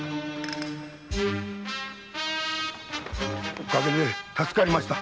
おかげで助かりました。